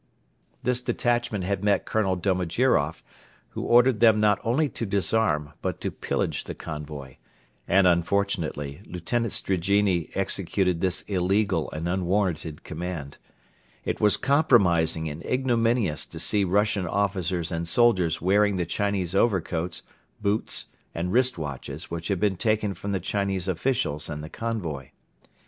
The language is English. This detachment had met Colonel Domojiroff, who ordered them not only to disarm but to pillage the convoy and, unfortunately, Lieutenant Strigine executed this illegal and unwarranted command. It was compromising and ignominious to see Russian officers and soldiers wearing the Chinese overcoats, boots and wrist watches which had been taken from the Chinese officials and the convoy.